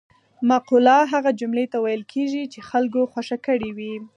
مقوله هغه جملې ته ویل کېږي چې خلکو خوښه کړې وي